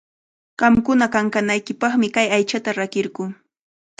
Qamkuna kankanaykipaqmi kay aychata rakirquu.